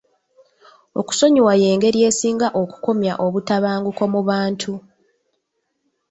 Okusonyiwa y'engeri esinga okukomya obutabanguko mu bantu.